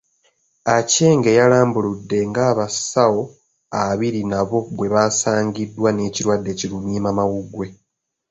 Aceng yalambuludde ng'abasawo abiri nabo bwe basangiddwa n'ekirwadde ki lumiimamawuggwe.